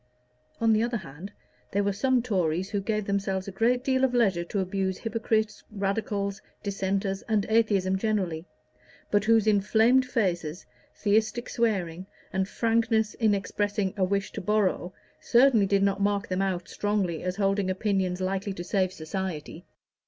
On the other hand there were some Tories who gave themselves a great deal of leisure to abuse hypocrites, Radicals, Dissenters, and atheism generally, but whose inflamed faces, theistic swearing, and frankness in expressing a wish to borrow, certainly did not mark them out strongly as holding opinions likely to save society.